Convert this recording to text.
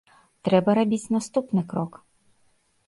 Трэба рабіць наступны крок.